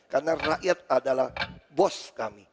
karena rakyat adalah bos kami